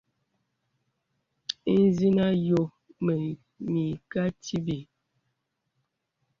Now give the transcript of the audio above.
Ìzìnə àyɔ̄ mə ìkà tìbì.